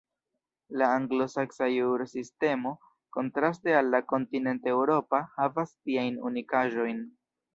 La anglosaksa jursistemo, kontraste al la kontinent-eŭropa, havas tiajn unikaĵojn.